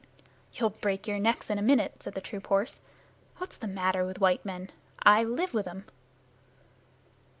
"You'll break your necks in a minute," said the troop horse. "What's the matter with white men? I live with 'em."